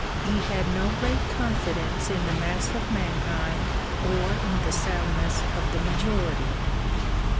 He had no great confidence in the mass of mankind or in the soundness of the majority.